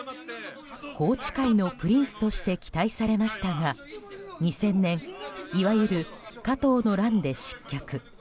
宏池会のプリンスとして期待されましたが２０００年いわゆる加藤の乱で失脚。